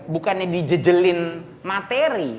bukannya dijel jelin materi